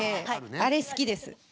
あれ好きです。